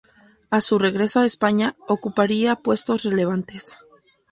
A su regreso a España ocuparía puestos relevantes.